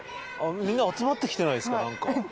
みんな集まってきてないっすか？